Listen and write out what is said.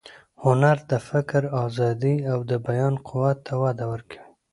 هنر د فکر ازادي او د بیان قوت ته وده ورکوي.